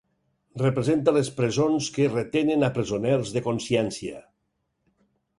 Representa les presons que retenen a presoners de consciència.